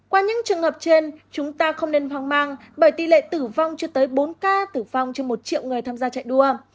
qua những trường hợp trên chúng ta không nên hoang mang bởi tỷ lệ tử vong chưa tới bốn ca tử vong trên một triệu người tham gia chạy đua